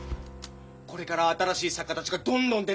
これから新しい作家たちがどんどん出てくる！